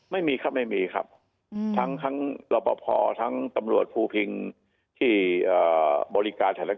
ไม่มีครับไม่มีครับทั้งรอปภทั้งตำรวจภูพิงที่บริการไทยรัฐ